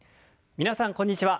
皆さんこんにちは。